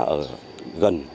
ở những địa phương này